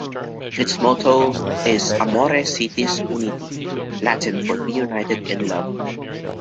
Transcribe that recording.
Its motto is "Amore Sitis Uniti", Latin for "Be United in Love".